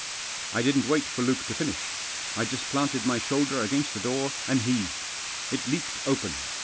I didn't wait for Luke4o finish. I just planted my shoulder against the door, and heaved. It leaped open.